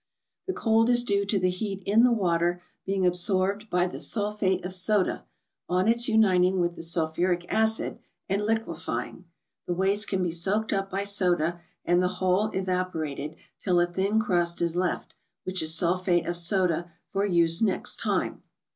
The cold is due to the heat in the water being absorbed by the sulphate of soda, on its uniting with the sulphuric acid, and liquefying. The waste can be soaked up by soda, and the whole evapor¬ ated till a thin crust is left, which is sulphate of soda for use next time.